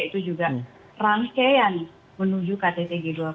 itu juga rangkaian menuju kttg dua puluh